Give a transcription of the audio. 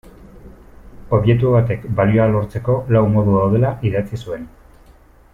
Objektu batek balioa lortzeko lau modu daudela idatzi zuen.